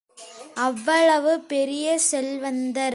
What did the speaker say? அவ்வளவு பெரிய செல்வந்தர்.